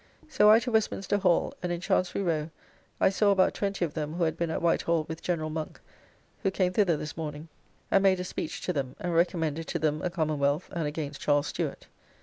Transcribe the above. So I to Westminster Hall, and in Chancery Row I saw about twenty of them who had been at White Hall with General Monk, who came thither this morning, and made a speech to them, and recommended to them a Commonwealth, and against Charles Stuart.